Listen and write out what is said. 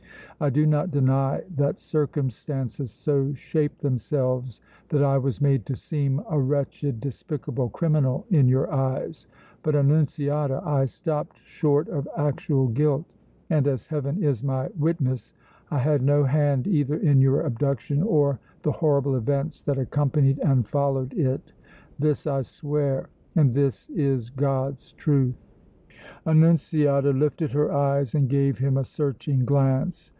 I do not deny that circumstances so shaped themselves that I was made to seem a wretched, despicable criminal in your eyes; but, Annunziata, I stopped short of actual guilt, and as Heaven is my witness I had no hand either in your abduction or the horrible events that accompanied and followed it! This I swear, and this is God's truth!" Annunziata lifted her eyes and gave him a searching glance.